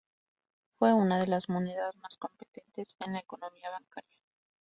Fue una de las monedas más competentes en la economía bancaria.